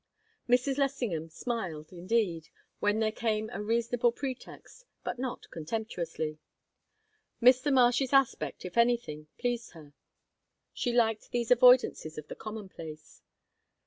Mrs. Lessingham smiled, indeed, when there came a reasonable pretext, but not contemptuously. Mr. Marsh's aspect, if anything, pleased her; she liked these avoidances of the commonplace.